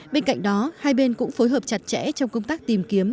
bên cạnh đó hai bên cũng phối hợp chặt chẽ trong công tác tìm kiếm